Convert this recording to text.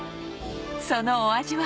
そのお味は？